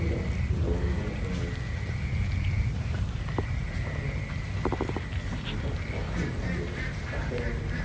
なかなかね難しい局面なんで使っちゃいますよね